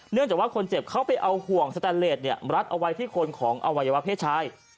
จากว่าคนเจ็บเข้าไปเอาห่วงสแตนเลสรัดเอาไว้ที่คนของอวัยวะเพศชาย